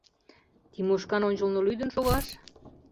Тимошкан ончылно лӱдын шогаш?